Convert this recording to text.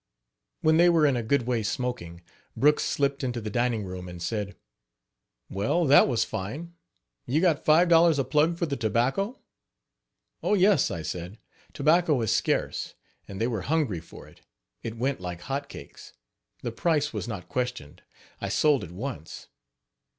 When they were in a good way smoking, Brooks slipped into the dining room, and said: "Well, that was fine; you got five dollars a plug for the tobacco? " "Oh, yes!" I said, "tobacco is scarce, and they were hungry for it; it went like hot cakes the price was not questioned, I sold at once.